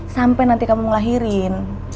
sampai nanti kamu ngelahirin